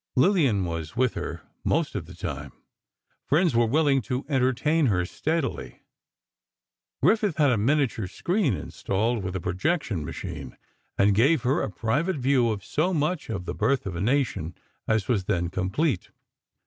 Lillian was with her most of the time. Friends were willing to entertain her steadily. Griffith had a miniature screen installed, with a projection machine, and gave her a private view of so much of "The Birth of a Nation" as was then complete.